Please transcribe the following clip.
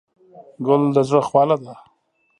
ګل د زړه خواله ده.